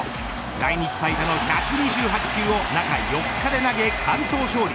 来日最多の１２８球を中４日で投げ、完投勝利。